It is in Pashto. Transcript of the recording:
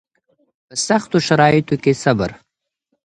په سختو شرایطو کې صبر